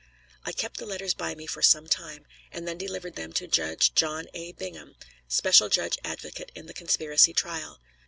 I kept the letters by me for some time, and then delivered them to Judge John A. Bingham, special judge advocate in the conspiracy trial.